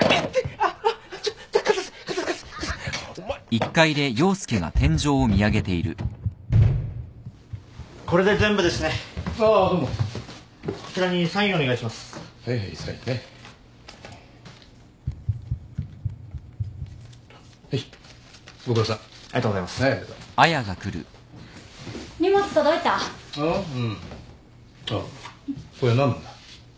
あっこれは何なんだ？